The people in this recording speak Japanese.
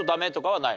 はい。